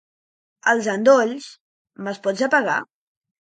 Els endolls, me'ls pots apagar?